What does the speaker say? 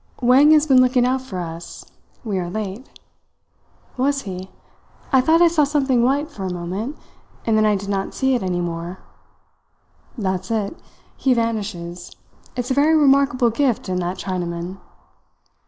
"Wang has been looking out for us. We are late." "Was he? I thought I saw something white for a moment, and then I did not see it any more." "That's it he vanishes. It's a very remarkable gift in that Chinaman."